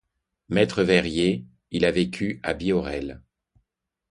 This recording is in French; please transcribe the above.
Maître-verrier, il a vécu à Bihorel.